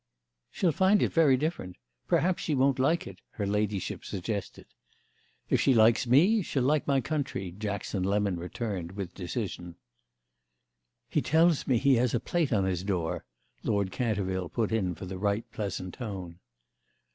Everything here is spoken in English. "She'll find it very different; perhaps she won't like it," her ladyship suggested. "If she likes me she'll like my country," Jackson Lemon returned with decision. "He tells me he has a plate on his door," Lord Canterville put in for the right pleasant tone.